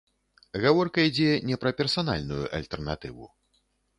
Гаворка ідзе не пра персанальную альтэрнатыву.